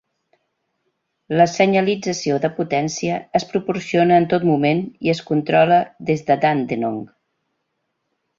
La senyalització de potència es proporciona en tot moment i es controla des de Dandenong.